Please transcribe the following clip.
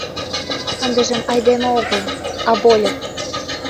Ындыжым айдеме огыл, а вольык.